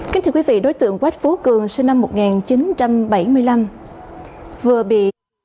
kính thưa quý vị đối tượng quách phú cường sinh năm một nghìn chín trăm bảy mươi năm vừa bị